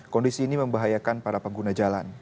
kondisi ini membahayakan para pengguna jalan